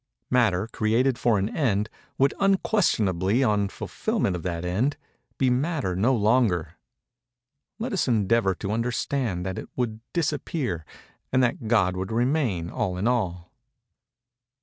Matter, created for an end, would unquestionably, on fulfilment of that end, be Matter no longer. Let us endeavor to understand that it would disappear, and that God would remain all in all.